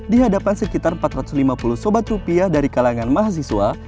di hadapan sekitar empat ratus lima puluh sobat rupiah dari kalangan mahasiswa